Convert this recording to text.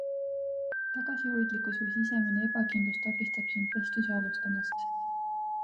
Tagasihoidlikkus või sisemine ebakindlus takistab sind vestlusi alustamast.